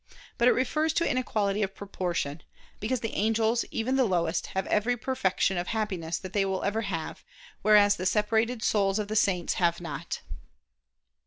But it refers to inequality of proportion: because the angels, even the lowest, have every perfection of Happiness that they ever will have, whereas the separated souls of the saints have not.